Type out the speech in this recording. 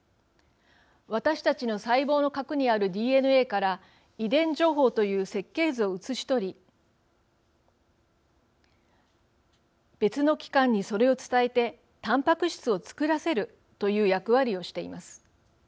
私たちの細胞の核にあるＤＮＡから、遺伝情報という設計図を写し取り別の器官にそれを伝えてたんぱく質を作らせるという役割をしています。